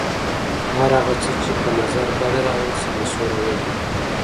هر هغه څه چې په نظر بد راغلل سانسورول یې.